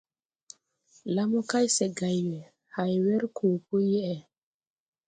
La mo kay, se gày we, hay wer koo po yeʼe.